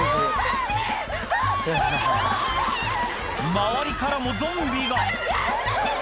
周りからもゾンビが開けて！